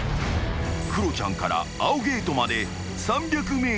［クロちゃんから青ゲートまで３００ｍ］